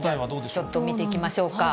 ちょっと見ていきましょうか。